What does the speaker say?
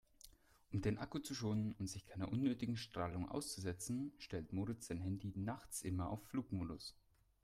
Um den Akku zu schonen und sich keiner unnötigen Strahlung auszusetzen, stellt Moritz sein Handy nachts immer auf Flugmodus.